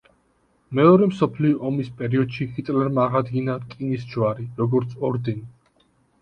მეორე მსოფლიო ომის პერიოდში ჰიტლერმა აღადგინა „რკინის ჯვარი“, როგორც ორდენი.